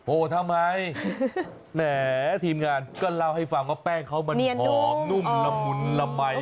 โอ้โหทำไมแหมทีมงานก็เล่าให้ฟังว่าแป้งเขามันหอมนุ่มละมุนละมัย